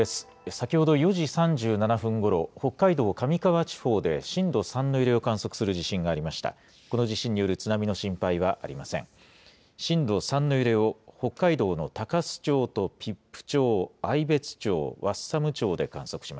先ほど４時３７分ごろ、北海道上川地方で震度３の揺れを観測する地震がありました。